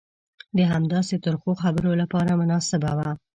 د همداسې ترخو خبرو لپاره مناسبه وه.